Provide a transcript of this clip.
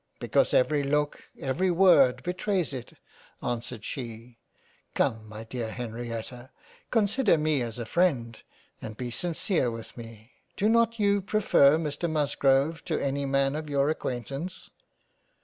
" Because every look, every word betrays it, answered she ; Come my dear Henrietta, consider me as a freind, and be sincere with me — Do not you prefer Mr Musgrove to any man of your acquaintance